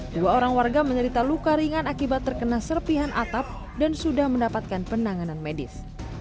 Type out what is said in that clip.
dua orang warga menyerita luka ringan akibat terkena serpihan atap dan sudah mendapatkan penanganan medis